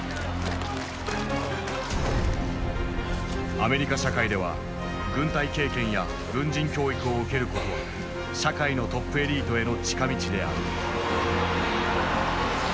アメリカ社会では軍隊経験や軍人教育を受けることは社会のトップエリートへの近道である。